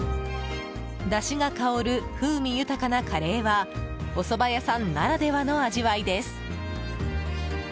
だしが香る風味豊かなカレーはおそば屋さんならではの味わいです。